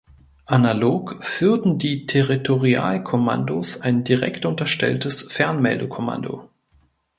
Analog führten die Territorialkommandos ein direkt unterstelltes Fernmeldekommando.